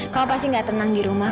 kamu pasti gak tenang di rumah